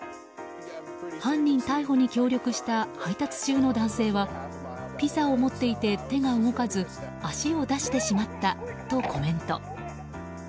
犯人逮捕に協力した配達中の男性はピザを持っていて手が動かず足を出してしまったとコメント。